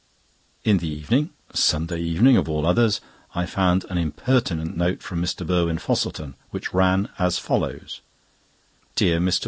In the evening (Sunday evening of all others) I found an impertinent note from Mr. Burwin Fosselton, which ran as follows: "DEAR MR.